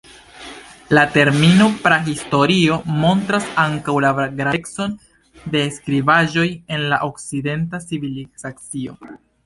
La termino prahistorio montras ankaŭ la gravecon de skribaĵoj en la okcidenta civilizacio.